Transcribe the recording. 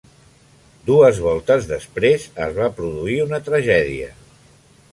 Dues voltes després, es va produir una tragèdia.